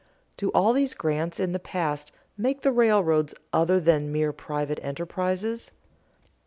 _ Do all these grants in the past make the railroads other than mere private enterprises?